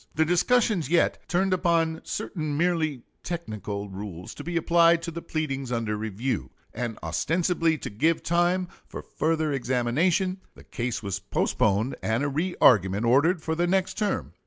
The discussions yet turned upon certain merely technical rules to be applied to the pleadings under review; and ostensibly to give time for further examination, the case was postponed and a re argument ordered for the next term.